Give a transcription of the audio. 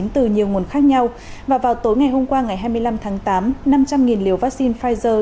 từ nhiều nguồn khác nhau và vào tối ngày hôm qua ngày hai mươi năm tháng tám năm trăm linh liều vaccine pfizer